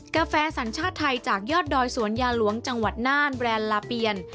กาแฟสัญชาติไทยจากยอดดอยสวนยาหลวงจังหวัดน่านแบรนด์ลาเปียน